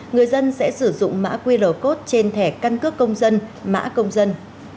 người dân sẽ sử dụng mã qr code trên thẻ căn cước công dân mã công dân